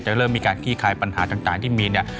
จะเริ่มมีการขี้คายปัญหาต่างที่มีเนี่ย